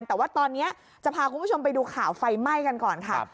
แต่ว่าตอนนี้จะพาคุณผู้ชมไปดูข่าวไฟไหม้กันก่อนค่ะ